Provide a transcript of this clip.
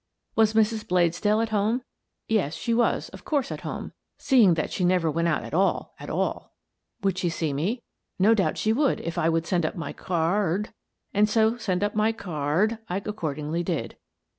Was Mrs. Bladesdell at home? Yes, she was, of course, at home, seeing that she never went out at all, at all. Would she see me ? No doubt she would, if I would send up my car rd, and so send up my car rd I accordingly did.